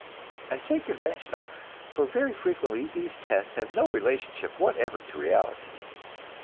I say "conventional," for very frequently these tests have no relationship whatever to reality.